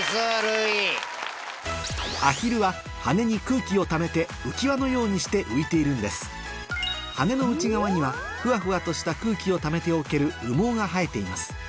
アヒルはのようにして浮いているんです羽の内側にはふわふわとした空気をためておける羽毛が生えています